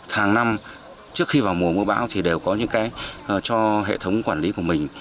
hàng năm trước khi vào mùa mưa bão thì đều có những cái cho hệ thống quản lý của mình